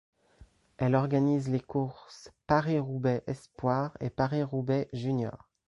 Elle organise les courses Paris-Roubaix espoirs et Paris-Roubaix juniors.